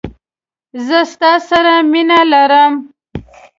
زه ستا سره مینه لرم